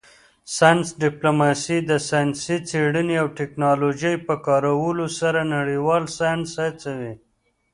ساینس ډیپلوماسي د ساینسي څیړنې او ټیکنالوژۍ په کارولو سره نړیوال ساینس هڅوي